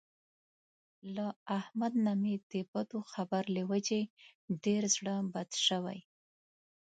له احمد نه مې د بدو خبر له وجې ډېر زړه بد شوی.